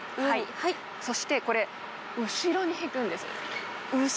そして、これ、後ろに引くんです。